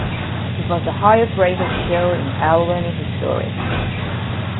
It was the highest rated show in Albany history.